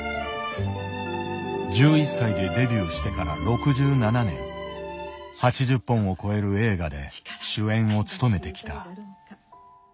１１歳でデビューしてから６７年８０本を超える映画で主演を務めてきた。